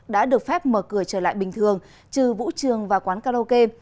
đã được phép mở cửa trở lại bình thường trừ vũ trường và quán karaoke